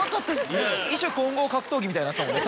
異種混合格闘技みたいになってたもんね